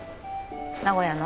名古屋の？